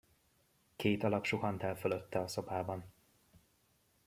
Két alak suhant el fölötte a szobában.